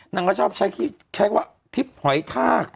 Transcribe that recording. นางก็ชอบใช้ว่าทิศหอยทาก